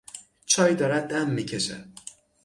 چای دارد دم میکشد.